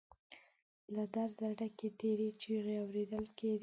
له درده ډکې تېرې چيغې اورېدل کېدې.